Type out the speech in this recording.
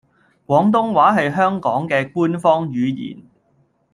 廣東話係香港嘅官方語言